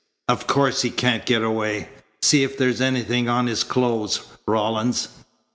"Of course he can't get away. See if there's anything on his clothes, Rawlins.